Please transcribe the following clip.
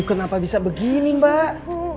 kenapa bisa begini mbak